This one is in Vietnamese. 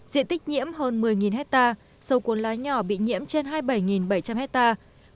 diện tích nhiễm hơn một mươi hectare sâu cuốn lá nhỏ bị nhiễm trên hai mươi bảy bảy trăm linh hectare